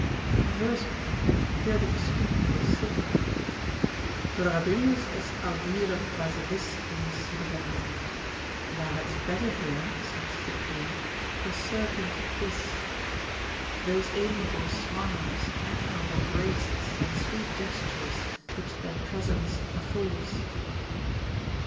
to converse with them, hear them speak, or sing, (tolerabilius est audire basiliscum sibilantem, thou hadst better hear, saith Cyprian, a serpent hiss) those amiable smiles, admirable graces, and sweet gestures, which their presence affords.